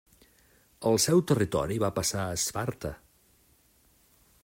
El seu territori va passar a Esparta.